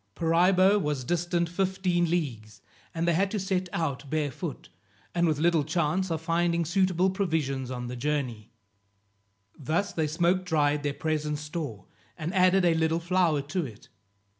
Paraibo was distant fifteen leagues, and they had to set out barefoot, and with little chance of finding suitable provisions on the journey. Thus they smoke dried their present store, and added a little flour to it.